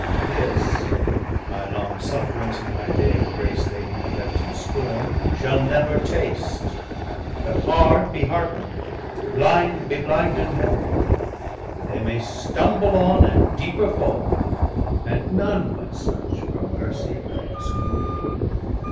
This my long sufferance and my day of grace They who neglect and scorn, shall never taste; But hard be hard'nd, blind be blinded more, 200 That they may stumble on, and deeper fall; And none but such from mercy I exclude.